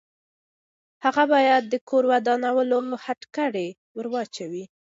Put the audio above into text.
هغه باید د کور ودانولو هتکړۍ ورواچوي.